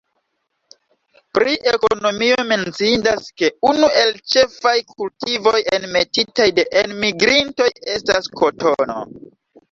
Pri ekonomio menciindas ke unu el ĉefaj kultivoj enmetitaj de enmigrintoj estas kotono.